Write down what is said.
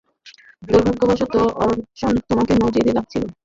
দুর্ভাগ্যবশত, ওরসন তোমাকে নজরে রাখছিল।